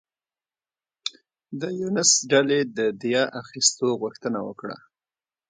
د یونس ډلې د دیه اخیستو غوښتنه وکړه.